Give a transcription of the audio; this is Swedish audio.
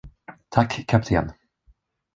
Tack, kapten!